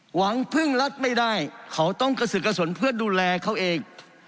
หวังพึ่งรัฐไม่ได้เขาต้องกระสึกกระสนเพื่อดูแลเขาเอง